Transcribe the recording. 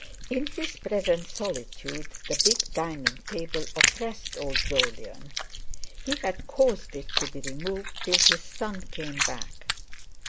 In his present solitude the big dining table oppressed old Jolyon; he had caused it to be removed till his son came back.